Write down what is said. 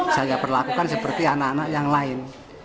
saya perlakukan seperti anak anak yang lain